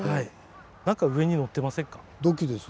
何か上に載ってませんか？